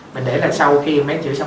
mình để lại sau khi em bé chữa xong